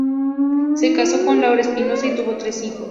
Se casó con Laura Espinoza y tuvo tres hijos.